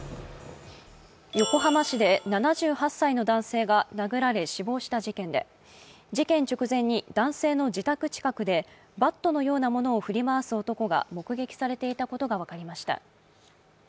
横浜市で７８歳の男性が殴られ死亡した陣で事件直前に男性の自宅近くでバットのようなものを振り回す男が目撃されていたことが分かりました。